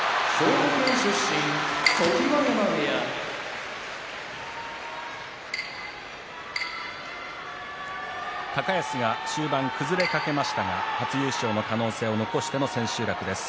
常盤山部屋高安が終盤崩れかけましたが初優勝の可能性を残しての千秋楽です。